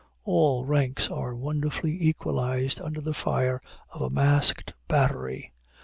All ranks are wonderfully equalized under the fire of a masked battery.